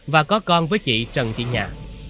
và có con với chị trần thị nhà